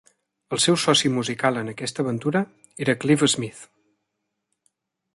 El seu soci musical en aquesta aventura era Clive Smith.